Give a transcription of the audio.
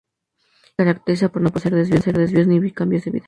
El mismo se caracteriza por no poseer desvíos, ni cambios de vía.